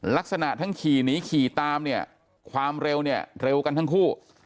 ลักษณะทั้งขี่หนีขี่ตามเนี่ยความเร็วเนี่ยเร็วกันทั้งคู่